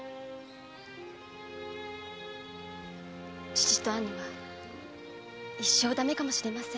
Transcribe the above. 父と兄は一生だめかもしれません。